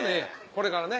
これからね。